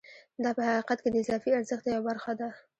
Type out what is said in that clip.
دا په حقیقت کې د اضافي ارزښت یوه برخه ده